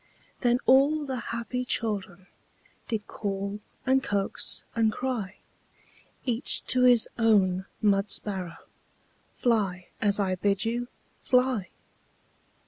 Then all the happy children Did call, and coax, and cry Each to his own mud sparrow: "Fly, as I bid you! Fly!"